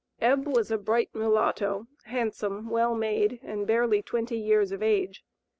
"Eb" was a bright mulatto, handsome, well made, and barely twenty years of age.